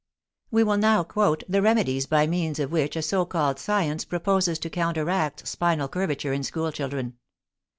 We will now quote the remedies by means of which a so called science proposes to counteract spinal curvature in school children.